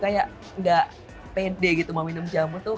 kayak nggak pede gitu mau minum jamu tuh